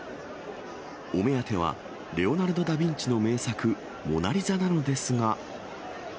お目当ては、レオナルド・ダ・ヴィンチの名作、モナリザなのですが。